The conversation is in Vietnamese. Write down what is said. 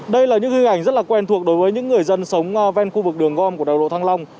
đây là những hình ảnh rất là quen thuộc đối với những người dân sống ven khu vực đường gom của đèo lộ thăng long